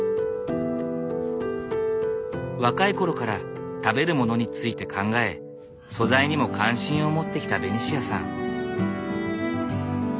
若い頃から食べるものについて考え素材にも関心を持ってきたベニシアさん。